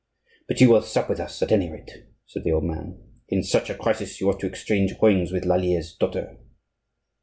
"But you will sup with us, at any rate," said the old man. "In such a crisis you ought to exchange rings with Lallier's daughter."